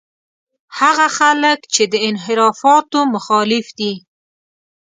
هغه خلک چې د انحرافاتو مخالف دي.